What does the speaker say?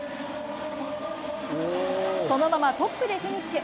そのままトップでフィニッシュ。